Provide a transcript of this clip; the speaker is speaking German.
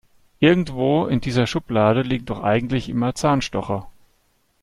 Irgendwo in dieser Schublade liegen doch eigentlich immer Zahnstocher.